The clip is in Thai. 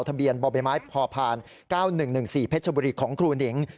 ทะเบียนบ่อใบไม้พอผ่าน๙๑๑๔เพชรบุรีของครูหนิง